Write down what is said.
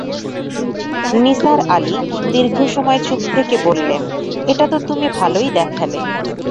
নিসার আলি দীর্ঘ সময় চুপ থেকে বললেন, এটা তো তুমি ভালোই দেখালে।